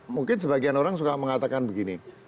mungkin sebagian orang suka mengatakan begini